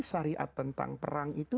syariat tentang perang itu